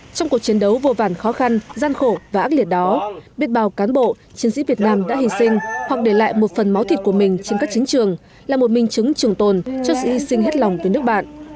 trong cuộc chiến đấu vô vàn khó khăn gian khổ và ác liệt đó biết bào cán bộ chiến sĩ việt nam đã hình sinh hoặc để lại một phần máu thịt của mình trên các chiến trường là một minh chứng trường tồn cho sự hy sinh hết lòng với nước bạn